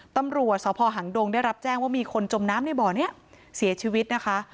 ตำรวจสพหังดงได้รับแจ้งว่ามีคนจมน้ำในบ่อนี้เสียชีวิตนะคะ